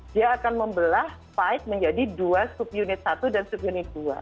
dia akan membelah fight menjadi dua sub unit satu dan sub unit dua